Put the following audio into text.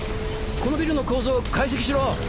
このビルの構造を解析しろ！